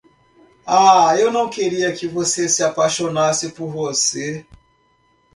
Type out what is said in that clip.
Ah, eu não queria que você se apaixonasse por você!